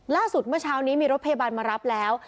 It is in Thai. เมื่อเช้านี้มีรถพยาบาลมารับแล้ว